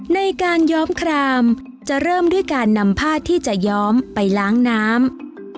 ในการย้อมครามจะเริ่มด้วยการนำผ้าที่จะย้อมไปล้างน้ำ